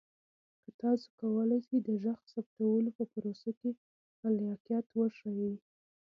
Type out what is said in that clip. تاسو کولی شئ د غږ ثبتولو په پروسه کې خلاقیت وښایئ.